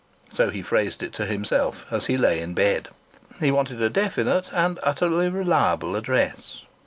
So he phrased it to himself as he lay in bed. He wanted a definite and utterly reliable address.